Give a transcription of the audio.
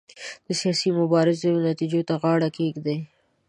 د سیاسي مبارزو نتیجو ته غاړه کېږدي.